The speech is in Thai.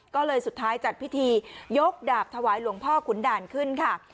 ก็เลยสุดท้ายจัดพิธียกดาบถวายหลวงพ่อขุนด่านขึ้นค่ะ